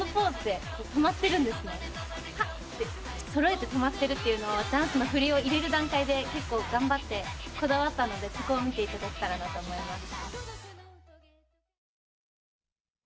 揃えて止まってるというのはダンスの振りを入れる段階で頑張ってこだわったのでそこを見ていただけたらなと思います。